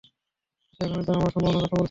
কিন্তু এখানে তো আমরা সম্ভাবনার কথা বলছি না!